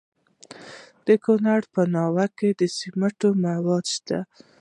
د کونړ په ناړۍ کې د سمنټو مواد شته.